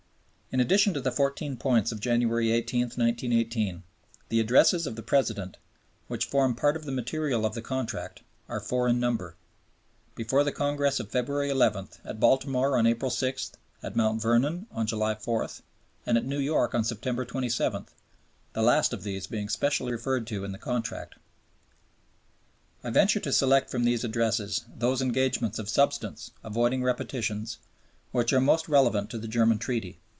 In addition to the Fourteen Points of January 18, 1918, the Addresses of the President which form part of the material of the Contract are four in number, before the Congress on February 11; at Baltimore on April 6; at Mount Vernon on July 4; and at New York on September 27, the last of these being specially referred to in the Contract. I venture to select from these Addresses those engagements of substance, avoiding repetitions, which are most relevant to the German Treaty.